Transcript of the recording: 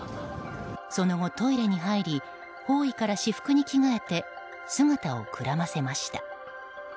その後、トイレに入り法衣から私服に着替えて姿をくらませました。